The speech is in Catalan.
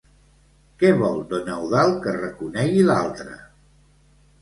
Què vol don Eudald que reconegui l'altre?